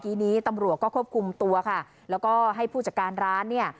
ทีนี้ตำรวจก็ควบคุมตัวค่ะแล้วก็ให้ผู้จัดการร้านเนี่ย